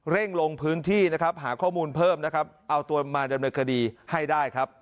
ลงพื้นที่นะครับหาข้อมูลเพิ่มนะครับเอาตัวมาดำเนินคดีให้ได้ครับ